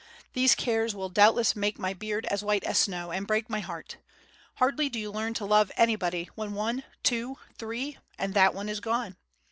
These cares will doubtless make my beard as white as snow, and break my heart. Hardly do you learn to love anybody, when, one, two, three, and that one is gone.